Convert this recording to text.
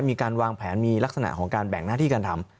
มีการวางแผนมีลักษณะของการแบ่งหน้าที่การทำ